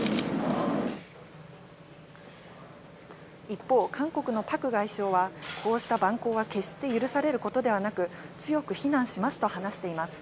一方、韓国のパク外相は、こうした蛮行は決して許されることではなく、強く非難しますと話しています。